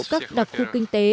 các đặc khu kinh tế